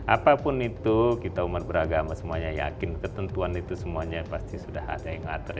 apapun itu kita umat beragama semuanya yakin ketentuan itu semuanya pasti sudah ada yang ngatur